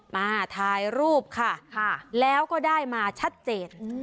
มาถ่ายรูปค่ะแล้วก็ได้มาชัดเจน